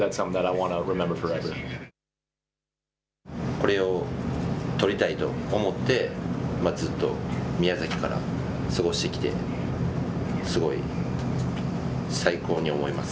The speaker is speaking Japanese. これをとりたいと思ってずっと宮崎から過ごしてきてすごい最高に思います。